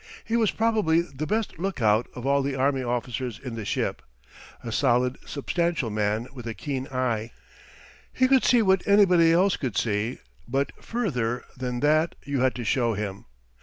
He was probably the best lookout of all the army officers in the ship a solid, substantial man with a keen eye. He could see what anybody else could see, but further than that you had to show him.